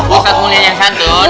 ustadz mulia yang santun